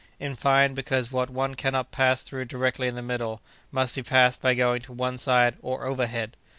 In fine, because what one cannot pass through directly in the middle, must be passed by going to one side or overhead!"